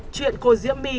chuyện cô diễm my